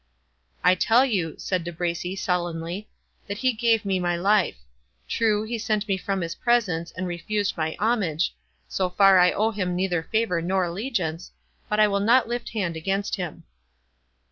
"I tell you," said De Bracy, sullenly, "that he gave me my life. True, he sent me from his presence, and refused my homage—so far I owe him neither favour nor allegiance—but I will not lift hand against him."